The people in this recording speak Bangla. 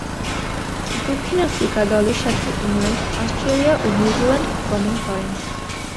দক্ষিণ আফ্রিকা দলের সাথে ইংল্যান্ড, অস্ট্রেলিয়া ও নিউজিল্যান্ড গমন করেন।